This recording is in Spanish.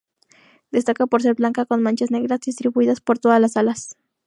Destaca por ser blanca con manchas negras distribuidas por todas las alas.